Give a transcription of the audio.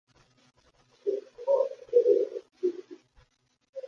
It does not question the pretensions of Christianity; it advances others.